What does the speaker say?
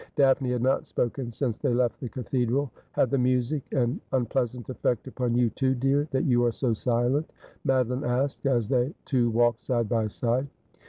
Daphne had not spoken since they left the cathedral. ' Had the music an unpleasant effect upon you too, dear, that you are so silent ?' Madoline asked, as they two walked side by side.